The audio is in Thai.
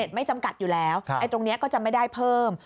ไม่จำกัดอยู่แล้วตรงนี้ก็จะไม่ได้เพิ่ม